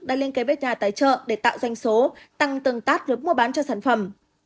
đã liên kế với nhà tài trợ để tạo danh số tăng tầng tát lướt mua bán cho sản phẩm